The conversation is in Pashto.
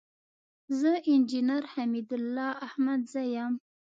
زه انجينر حميدالله احمدزى يم.